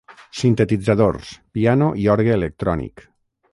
Sintetitzadors, piano i orgue electrònic.